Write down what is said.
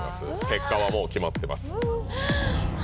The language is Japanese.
結果はもう決まってます